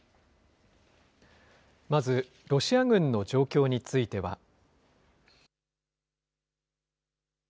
まず、ロシア軍の状況については。